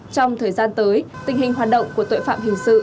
trong thời gian tới tình hình hoạt động của tội phạm hình sự